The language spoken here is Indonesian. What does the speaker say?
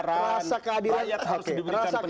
rasa keadilan publik juga mengambil yang tercecer cecer